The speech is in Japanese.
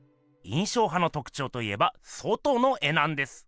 印象派のとくちょうといえば外の絵なんです。